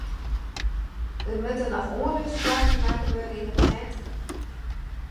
Der moatte noch oanlisplakken makke wurde yn it sintrum.